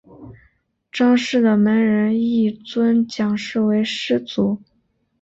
章氏的门人亦尊蒋氏为师祖。